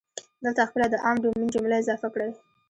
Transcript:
دلته خپله د عام ډومین جمله اضافه کړئ.